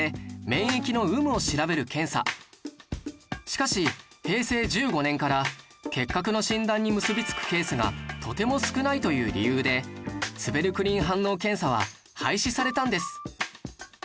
しかし平成１５年から結核の診断に結びつくケースがとても少ないという理由でツベルクリン反応検査は廃止されたんです